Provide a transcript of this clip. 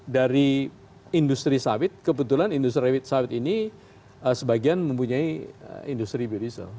dari industri sawit kebetulan industri sawit ini sebagian mempunyai industri biodiesel